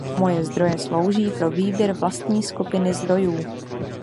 Moje zdroje slouží pro výběr vlastní skupiny zdrojů.